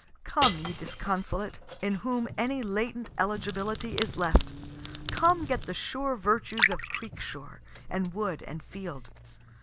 Come, ye disconsolate, in whom any latent eligibility is left come get the sure virtues of creek shore, and wood and field.